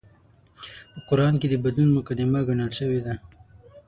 په قران کې د بدلون مقدمه ګڼل شوې ده